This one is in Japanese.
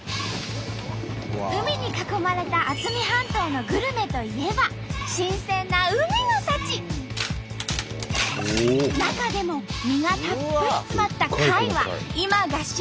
海に囲まれた渥美半島のグルメといえば新鮮な中でも身がたっぷり詰まった貝は今が旬！